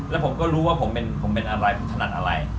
แล้วผมก็รู้ว่าผมเป็นอะไรผมถนัดอะไร